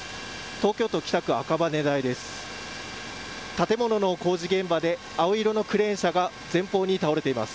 東京都北区赤羽台です。